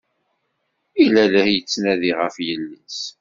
Yella la yettnadi ɣef yelli-s.